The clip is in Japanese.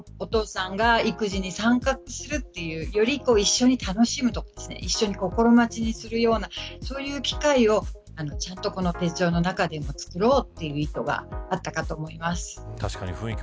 つまりお父さんが育児に参加するというより一緒に楽しむとか一緒に心待ちにするような機会をちゃんとこの手帳のページ状の中に作ろうという意図があったかと思います。